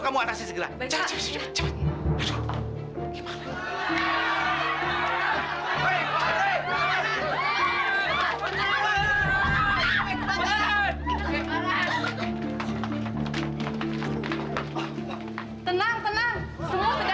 sampai jumpa di video selanjutnya